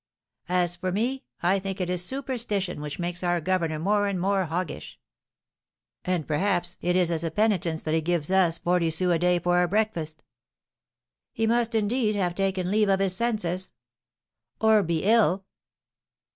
"As for me, I think it is superstition which makes our governor more and more hoggish." "And, perhaps, it is as a penitence that he gives us forty sous a day for our breakfast." "He must, indeed, have taken leave of his senses." "Or be ill."